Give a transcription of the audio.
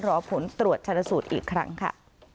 รอผลตรวจชนสูตรอีกครั้งค่ะ